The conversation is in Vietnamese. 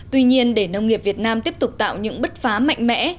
tuy nhiên để nông nghiệp việt nam tiếp tục tạo những bứt phá mạnh mẽ